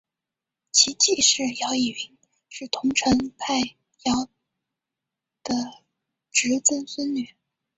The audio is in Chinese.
其继室姚倚云是桐城派姚鼐的侄曾孙女。